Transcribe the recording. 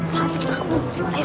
satu gitu kak bu